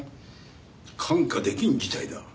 看過できん事態だ。